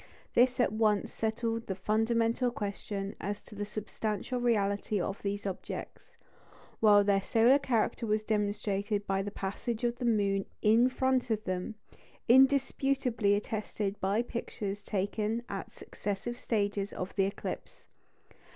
This at once settled the fundamental question as to the substantial reality of these objects; while their solar character was demonstrated by the passage of the moon in front of them, indisputably attested by pictures taken at successive stages of the eclipse.